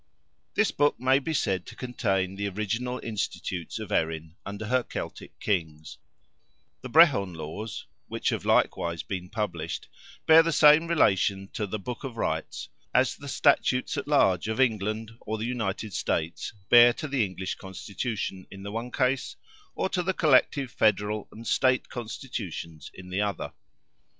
This book may be said to contain the original institutes of Erin under her Celtic Kings: "the Brehon laws," (which have likewise been published), bear the same relation to "the Book of Rights," as the Statutes at large of England, or the United States, bear to the English Constitution in the one case, or to the collective Federal and State Constitutions in the other.